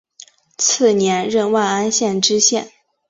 次年任万安县知县。